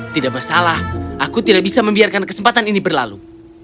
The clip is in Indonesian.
tidak masalah aku tidak bisa membiarkan kesempatan ini berlalu